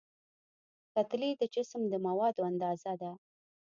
کتلې د جسم د موادو اندازه ده.